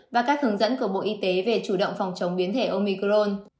và các hướng dẫn của bộ y tế về chủ động phòng chống biến thể omicrone